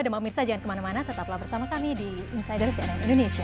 dan pak mirsa jangan kemana mana tetaplah bersama kami di insider cnn indonesia